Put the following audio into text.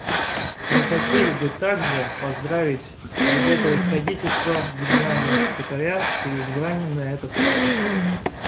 Мы хотели бы также поздравить Его Превосходительство Генерального секретаря с переизбранием на этот пост.